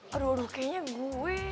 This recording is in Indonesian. aduh aduh kayaknya gue